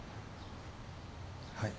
はい。